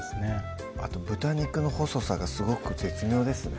あと豚肉の細さがすごく絶妙ですね